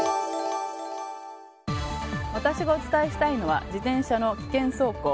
私がお伝えしたいのは自転車の危険走行。